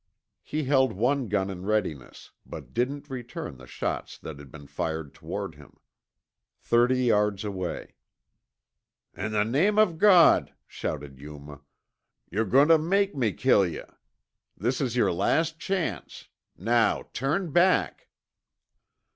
He held one gun in readiness, but didn't return the shots that had been fired toward him. Thirty yards away. "In the name of God," shouted Yuma, "you're goin' tuh make me kill yuh. This is yer last chance. Now turn back!"